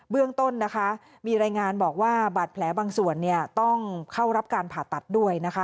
เรื่องต้นนะคะมีรายงานบอกว่าบาดแผลบางส่วนต้องเข้ารับการผ่าตัดด้วยนะคะ